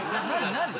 何？